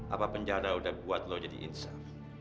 apa penjara udah buat lo jadi insan